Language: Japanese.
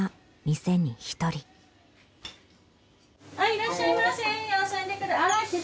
いらっしゃいませ。